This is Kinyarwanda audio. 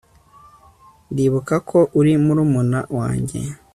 Ndibuka ko uri murumuna wanjye